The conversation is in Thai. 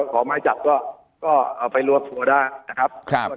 ขอไม้จับก็เอาไปรวบตัวได้นะครับ